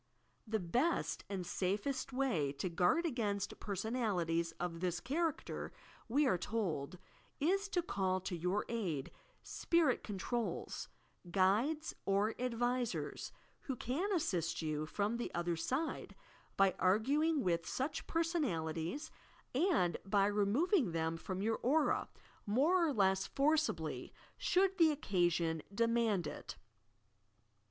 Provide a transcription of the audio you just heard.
The best and safest way to guard against personalities of this character, we are told, is to call to your aid spirit controls, "guides" or advisors who can assist you from the other side, by arguing with such personalities, and by removing them 194 TOTJH PSYCHIC POWERS from > our aura more or less forcibly, should the occa BioD demand it.